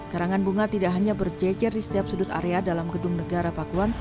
karangan bunga tidak hanya berjejer di setiap sudut area dalam gedung negara pakuan